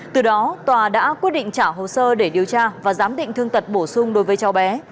từ đó tòa đã quyết định trả hồ sơ để điều tra và giám định thương tật bổ sung đối với cháu bé